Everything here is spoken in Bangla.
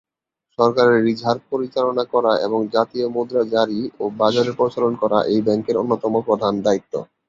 সরকারের রিজার্ভ পরিচালনা করা এবং জাতীয় মুদ্রা জারি ও বাজারে প্রচলন করা এই ব্যাংকের অন্যতম প্রধান দায়িত্ব।